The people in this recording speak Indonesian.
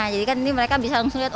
jadi kan ini mereka bisa langsung lihat